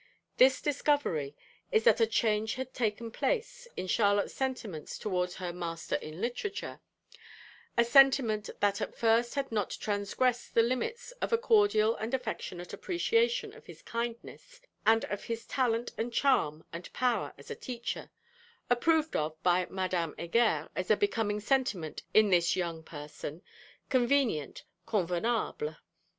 This discovery is that a change has taken place in Charlotte's sentiment towards her 'Master in literature'; a sentiment that at first had not transgressed the limits of a cordial and affectionate appreciation of his kindness and of his talent and charm and power as a teacher approved of by Madame Heger as a becoming sentiment in this young person, convenient, 'convenable.'